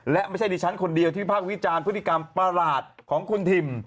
และไม่ใช่ดิฉันคนเดียวที่วิพากษ์วิจารณ์พฤติกรรมประหลาดของคุณทิม